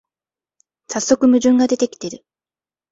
さっそく矛盾が出てきてる